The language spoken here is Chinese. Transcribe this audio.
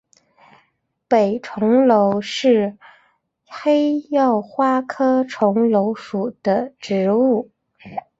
北重楼是黑药花科重楼属的植物。